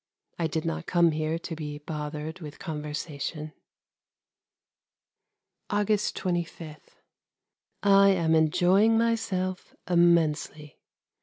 I did not come here to be bothered with conversation. August 25. I am enjoying myself immensely.